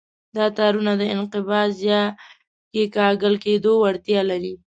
دا تارونه د انقباض یا کیکاږل کېدو وړتیا لري.